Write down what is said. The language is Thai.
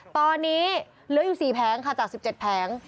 ตอนนี้เหลืออยู่๔แผงค่ะจาก๑๗แผง